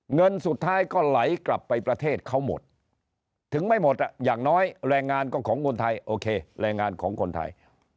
เงินสุดท้ายก็ไหลกลับไปประเทศเขาหมดถึงไม่หมดอ่ะอย่างน้อยแรงงานก็ของคนไทยโอเคแรงงานของคนไทย